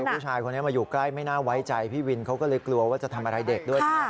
ผู้ชายคนนี้มาอยู่ใกล้ไม่น่าไว้ใจพี่วินเขาก็เลยกลัวว่าจะทำอะไรเด็กด้วยนะ